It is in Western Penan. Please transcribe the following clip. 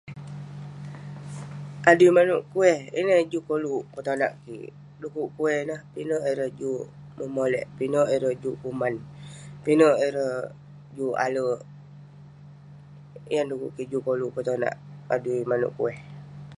Adui manouk kueh ineh eh koluk petonak kik du'kuk kueh ineh, pinek ireh juk memolek, pinek ireh juk kuman, pinek ireh juk alek. yan du'kuk kik juk koluk petonak adui manouk kueh.